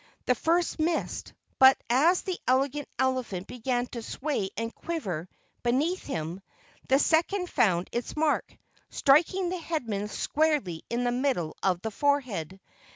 The first missed, but as the Elegant Elephant began to sway and quiver beneath him, the second found its mark, striking the Headman squarely in the middle of the forehead.